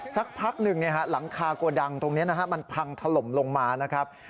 สักพักหนึ่งหลังคาโกดังตรงนี้มันพังถล่มลงมานะครับ